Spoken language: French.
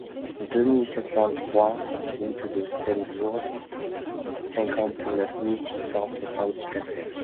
deux mille sept cent trois route de Steenvoorde, cinquante-neuf mille six cent soixante-dix Cassel